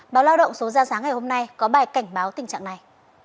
báo lao động số ra sáng ngày hôm nay có bài cảnh báo tình trạng này